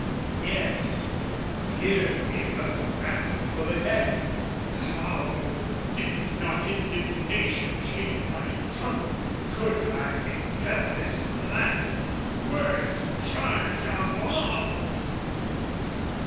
Yes, here the eruptive wrath with full effect! How did not indignation chain my tongue Could I repel this last, worst charge of all!